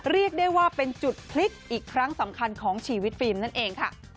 เรียกได้ว่าเป็นจุดพลิกอีกครั้งสำคัญของชีวิตฟิล์มนั่นเองค่ะ